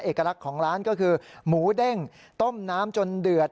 เอกลักษณ์ของร้านก็คือหมูเด้งต้มน้ำจนเดือด